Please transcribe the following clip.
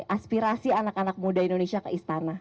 aspirasi anak anak muda indonesia ke istana